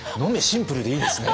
シンプルでいいですね。